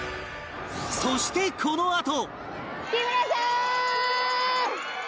そしてこのあと